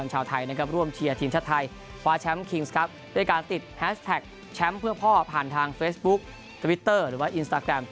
แชมป์เพื่อพ่อผ่านทางเฟสบุ๊คทวิตเตอร์หรือว่าอินสตาแกรม